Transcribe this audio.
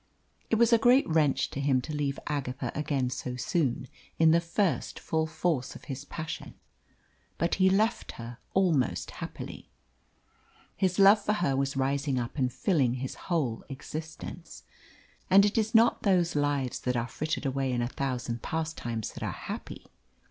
It was a great wrench to him to leave Agatha again so soon, in the first full force of his passion. But he left her almost happily. His love for her was rising up and filling his whole existence. And it is not those lives that are frittered away in a thousand pastimes that are happy.